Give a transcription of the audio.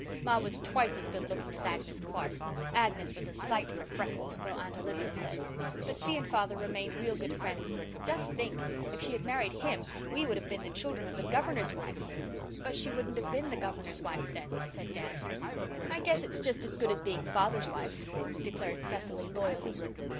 Ma was twice as good looking as Agnes Clark. Agnes was a sight for freckles, so Aunt Olivia says. But she and father remained real good friends. Just think, if she had married him we would have been the children of the Governor's wife." "But she wouldn't have been the Governor's wife then," said Dan. "I guess it's just as good being father's wife," declared Cecily loyally.